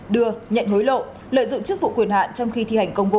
đưa nhận hối lộ lợi dụng chức vụ quyền hạn trong khi thi hành công vụ